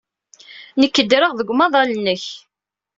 Nekk ddreɣ deg umaḍal-nnek.